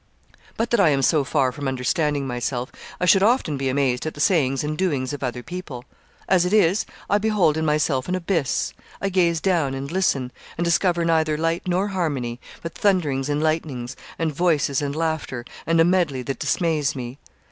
But that I am so far from understanding myself, I should often be amazed at the sayings and doings of other people. As it is, I behold in myself an abyss, I gaze down and listen, and discover neither light nor harmony, but thunderings and lightnings, and voices and laughter, and a medley that dismays me.